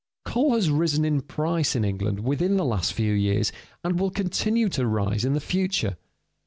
Coal has risen in price in England within the last few years, and will continue to rise in the future.